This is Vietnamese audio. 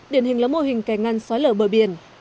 điển hình là mô hình kè ngăn xói lở bờ biển